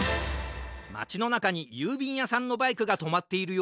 まちのなかにゆうびんやさんのバイクがとまっているよ。